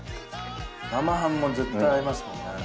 生ハムも絶対合いますもんね。